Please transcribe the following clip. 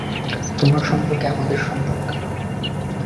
তোমার সম্পর্কে, আমাদের সম্পর্কে!